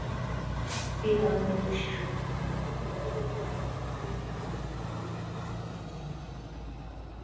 Twihanganishije umuryango w'umugore w'imyaka makubyabiri nitanu witabye Imana i Kigali.”